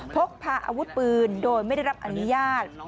พกพาอาวุธปืนโดยไม่ได้รับอนุญาต